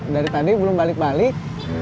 dari tadi belum balik balik